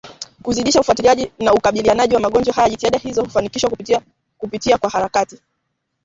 kuzidisha ufuatiliaji na ukabilianaji na magonjwa haya Jitihada hizo hufanikishwa kupitia kwa harakati